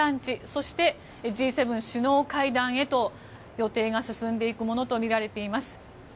そして、Ｇ７首脳会談へと予定が進んでいくものとみられています。